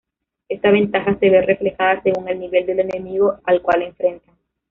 Esta ventaja se ve reflejada según el nivel del enemigo al cual enfrentan.